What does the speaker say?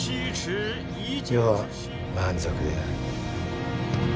余は満足である。